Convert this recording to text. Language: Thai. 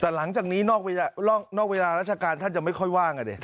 แต่หลังจากนี้นอกเวลาราชการท่านจะไม่ค่อยว่างอ่ะดิ